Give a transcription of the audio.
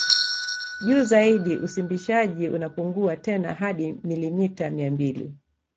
Juu zaidi usimbishaji unapungua tena hadi milimita mia mbili